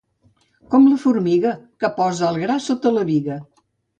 Com la formiga, que posa el gra sota la biga.